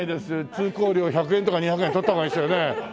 通行料１００円とか２００円取った方がいいですよね。